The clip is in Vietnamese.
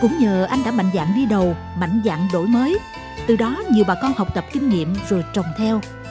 cũng nhờ anh đã mạnh dạng đi đầu mạnh dạng đổi mới từ đó nhiều bà con học tập kinh nghiệm rồi trồng theo